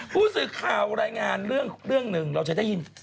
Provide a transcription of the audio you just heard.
ผู้สื่อข่าวรายงานเรื่องหนึ่งเราจะได้ยิน